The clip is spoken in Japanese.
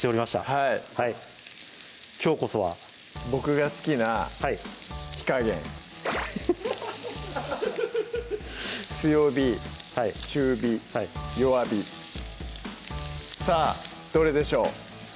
はいきょうこそは僕が好きな火加減強火・中火・弱火さぁどれでしょう？